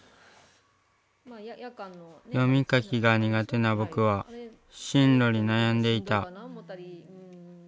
読み書きが苦手な僕は進路に悩んでいた。